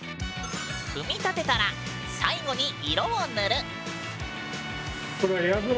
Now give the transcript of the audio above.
組み立てたら最後に色を塗る。